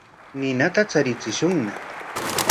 Ninata charichishunña.